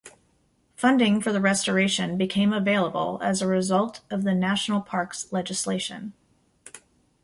Funding for the restoration became available as a result of the National Parks legislation.